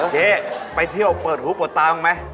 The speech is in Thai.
เจ๊ไปเที่ยวเปิดหุบหัวตามไหม